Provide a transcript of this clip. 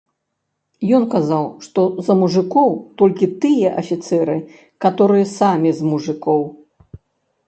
Ён казаў, што за мужыкоў толькі тыя афіцэры, каторыя самі з мужыкоў.